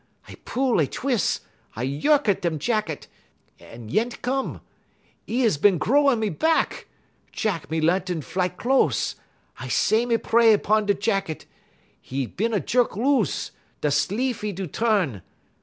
I pull, I twis', I yerk at dem jacket; 'e yent come. 'E is bin grow on me bahck. Jack me Lantun fly close. I say me pray 'pon da' jacket; 'e is bin a yerk loose; da' sleef 'e do tu'n.